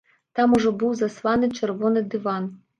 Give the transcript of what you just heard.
Там ужо быў засланы чырвоны дыван.